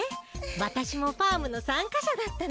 私もファームの参加者だったの。